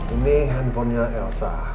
ini handphonenya elsa